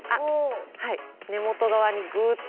はい根元側にグッと。